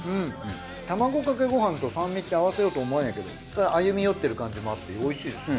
卵かけご飯と酸味って合わせようと思わないけど歩み寄ってる感じもあっておいしいですね。